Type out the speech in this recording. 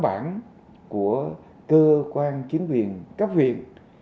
văn bản của cơ quan chính quyền cấp viện